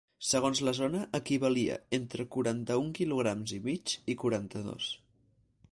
Segons la zona equivalia entre quaranta-un quilograms i mig i quaranta-dos.